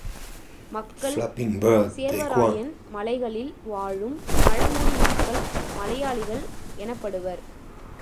மக்கள் சேர்வராயன் மலைகளில் வாழும் பழங்குடி மக்கள் மலையாளிகள் எனப்படுவர்.